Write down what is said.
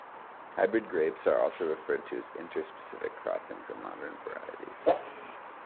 Hybrid grapes are also referred to as inter-specific crossings or Modern Varieties.